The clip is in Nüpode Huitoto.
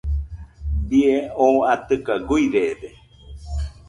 Bie oo atɨka guirede.